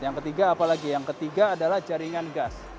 yang ketiga apa lagi yang ketiga adalah jaringan gas